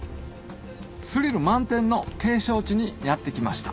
スリル満点の景勝地にやって来ました